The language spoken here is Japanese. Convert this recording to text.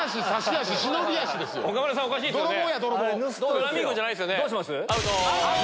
フラミンゴじゃないっすよね。